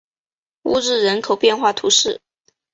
乌日人口变化图示